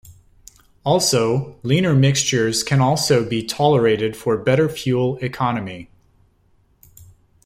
Also, leaner mixtures can also be tolerated for better fuel economy.